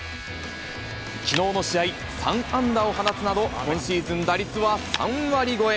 きのうの試合、３安打を放つなど、今シーズン打率は３割超え。